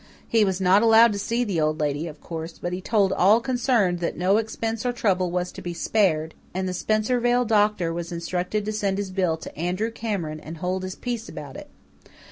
He was not allowed to see the Old Lady, of course; but he told all concerned that no expense or trouble was to be spared, and the Spencervale doctor was instructed to send his bill to Andrew Cameron and hold his peace about it.